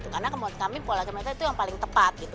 karena menurut kami pola kemitraan itu yang paling tepat